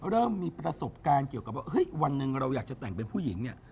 เริ่มมีประสบการณ์เกี่ยวกับว่าเฮ้ยวันหนึ่งเราอยากจะแต่งเป็นผู้หญิงเนี่ย